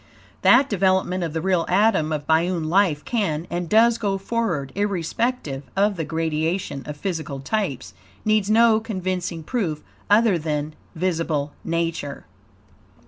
That development of the real atom of biune life can, and does, go forward, irrespective of the gradation of physical types, needs no convincing proof, other than visible Nature.